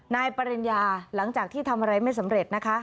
นายปริญญาหลังจากที่ทำอะไรไม่สำเร็จนะคะ